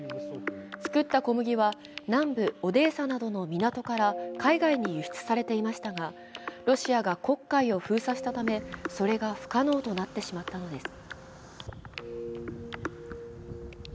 作った小麦は南部オデーサなどの港から海外に輸出されていましたがロシアが黒海を封鎖したため、それが不可能となってしまったのです。